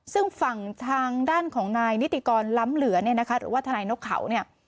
ซึ่งฝั่งทางด้านของนายนิติกรล้ำเหลือเนี่ยนะคะหรือว่าทนายนกเขาเนี่ย